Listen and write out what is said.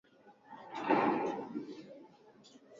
mwandishi wa habari anaweka video kutoka kwenye eneo la wazungumzaji